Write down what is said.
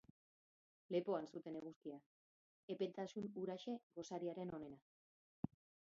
Lepoan zuten eguzkia, epeltasun huraxe gosariaren onena.